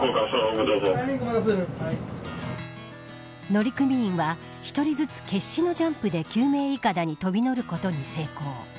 乗組員は１人ずつ決死のジャンプで救命いかだに飛び乗ることに成功。